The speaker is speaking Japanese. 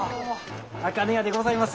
あかね屋でございます。